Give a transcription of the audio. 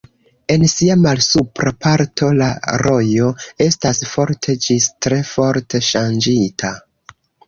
En sia malsupra parto la rojo estas forte ĝis tre forte ŝanĝita.